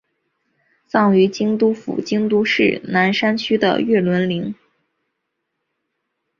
葬于京都府京都市东山区的月轮陵。